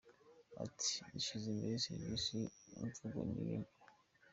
Ati “ Dushyize imbere serivisi; imvugo ni yo ngiro.